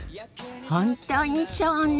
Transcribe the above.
本当にそうね！